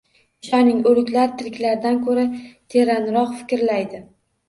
Ishoning, o’liklar tiriklardan ko’ra teranroq fikrlaydi.